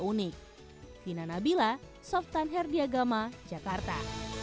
unik fina nabila softan herdiagama jakarta